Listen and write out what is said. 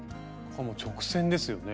この直線ですよね。